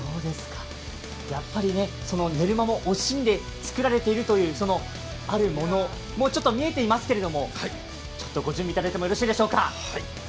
やっぱり寝る間も惜しんで作られているというあるもの、ちょっと見えてますけれども、ご準備いただいてよろしいでしょうか。